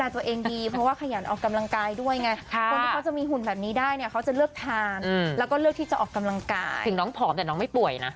แต่น้องไม่ป่วยนะ